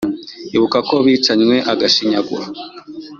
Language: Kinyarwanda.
Ibuka uko bicanywe agashinyaguro !